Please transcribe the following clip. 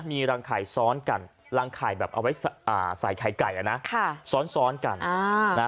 มีรังไข่ซ้อนกันรังไข่แบบเอาไว้อ่าใส่ไข่ไก่ละนะค่ะซ้อนซ้อนกันอ่า